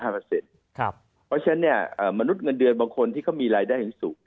เพราะฉะนั้นมนุษย์เงินเดือนบางคนที่เขามีรายได้ที่สูง